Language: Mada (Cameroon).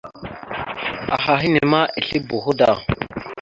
Aha henne ma esle boho da.